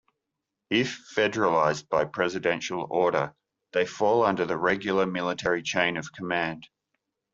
If federalized by Presidential order, they fall under the regular military chain of command.